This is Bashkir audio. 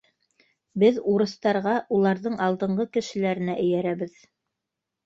Беҙ урыҫтарға, уларҙың алдынғы кешеләренә эйәрәбеҙ.